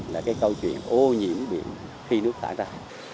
là cái câu chuyện ô nhiễm biển khi nước thải ra